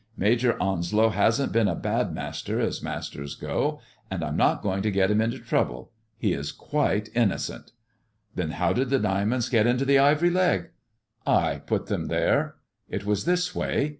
Major Onslow hasn't been a bad master as masters go, and Pm not going to get him into trouble. He is quite innocent." Then how did the diamonds get into the ivory leg?" " I put them there. It was this way.